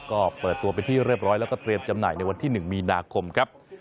ก็เปิดตัวเป็นที่เรียบร้อยแล้วก็เตรียมจำหน่ายในวันที่๑มีนาคมครับ